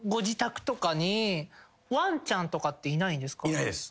いないです。